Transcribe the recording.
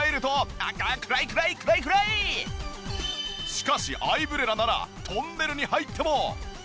しかしアイブレラならトンネルに入っても。